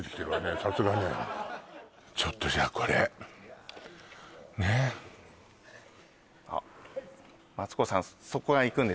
さすがねちょっとじゃあこれねっあっマツコさん